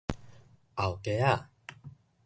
後街仔